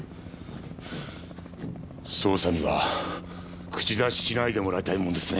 捜査には口出ししないでもらいたいもんですね。